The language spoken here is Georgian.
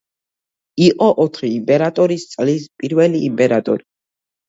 იყო ოთხი იმპერატორის წლის პირველი იმპერატორი.